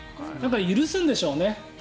許すんでしょうね